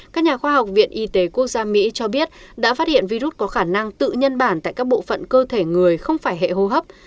các nhà khoa học viện y tế quốc gia mỹ cho biết đã phát hiện virus có khả năng tự nhân bản tại các bộ phận cơ thể người không phải hệ hô hấp